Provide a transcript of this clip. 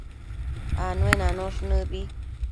Anuenanosh nëbi